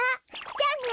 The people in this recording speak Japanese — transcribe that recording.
じゃあね。